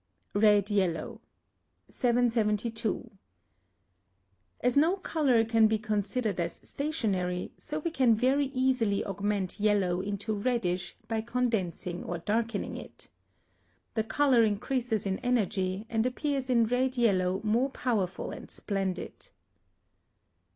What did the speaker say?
RED YELLOW. 772. As no colour can be considered as stationary, so we can very easily augment yellow into reddish by condensing or darkening it. The colour increases in energy, and appears in red yellow more powerful and splendid.